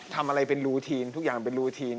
ทำอะไรเป็นรูทีนทุกอย่างเป็นรูทีน